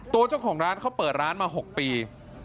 เจ้าของร้านเขาเปิดร้านมา๖ปี